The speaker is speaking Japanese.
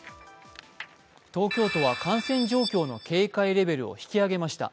東京都は感染状況の警戒レベルを引き上げました。